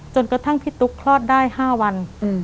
จนกระทั่งพี่ตุ๊กคลอดได้๕วัน